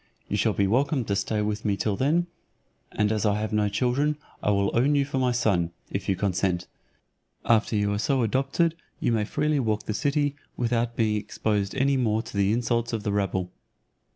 You shall be welcome to stay with me till then; and as I have no children, I will own you for my son, if you consent; after you are so adopted, you may freely walk the city, without being exposed any more to the insults of the rabble."